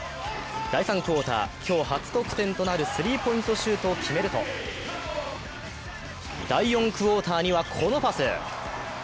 第３クオーター、今日初得点となるスリーポイントシュートを決めると第４クオーターにはこのパス。